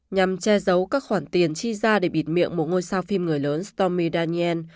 nhằm che giấu các khoản tiền chi ra để bịt miệng một ngôi sao phim người lớn stomi daniel